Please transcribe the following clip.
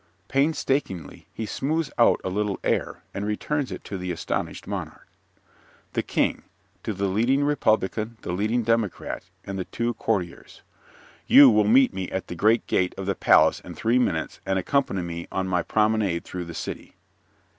(Painstakingly he smooths out a little air and returns it to the astonished monarch.) THE KING (to the Leading Republican, the Leading Democrat and the two Courtiers) You will meet me at the great gate of the palace in three minutes and accompany me on my promenade through the city.